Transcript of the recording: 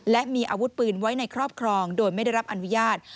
และมีอาวุธปืนไว้ในครอบครองโดยไม่ได้รับอนุญาต